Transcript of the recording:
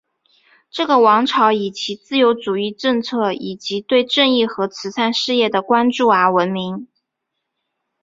这个王朝以其自由主义政策以及对正义和慈善事业的关注而闻名。